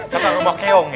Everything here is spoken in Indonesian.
kapan empo keong ya